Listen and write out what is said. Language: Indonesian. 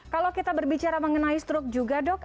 kalau kita berbicara mengenai stroke juga dok